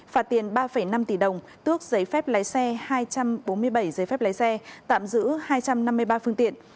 phạt tiền ba năm tỷ đồng tước giấy phép lái xe hai trăm bốn mươi bảy giấy phép lái xe tạm giữ hai trăm năm mươi ba phương tiện